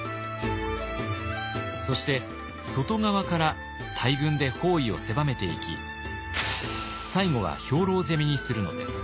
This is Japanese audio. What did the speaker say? そして外側から大軍で包囲を狭めていき最後は兵糧攻めにするのです。